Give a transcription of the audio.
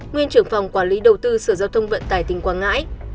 nguyên trưởng phòng quản lý đầu tư sở giao thông vận tải tỉnh quảng ngãi